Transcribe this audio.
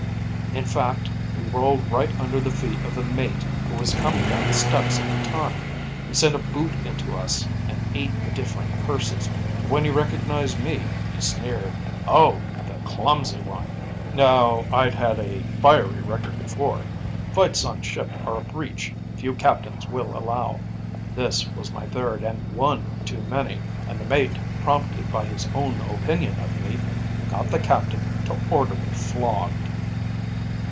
In fact, we rolled right under the feet of the mate who was coming down the steps at the time. He sent a boot into us and eight different curses, and when he recognized me, he sneered, 'Oh, the clumsy one.' "Now I'd had a fiery record before. Fights on ship are a breach few captains will allow. This was my third, and one too many. And the mate, prompted by his own opinion of me, got the captain to order me flogged.